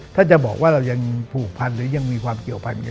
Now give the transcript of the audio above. ถ้าจะบอกว่าเรายังผูกพันหรือยังมีความเกี่ยวพันธุ